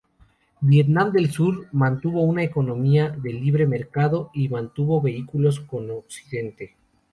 Vietnam del Sur mantuvo una economía de libre mercado y mantuvo vínculos con Occidente.